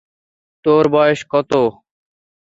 তোর বয়স কত?